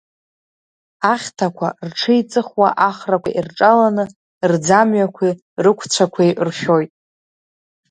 Ахьҭақәа рҽеиҵыхуа ахрақәа ирҿаланы, рӡамҩақәеи рықәцәақәеи ршәоит.